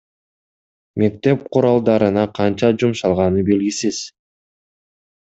Мектеп куралдарына канча жумшалганы белгисиз.